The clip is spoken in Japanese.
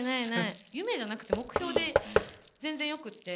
夢じゃなくて目標で全然よくって。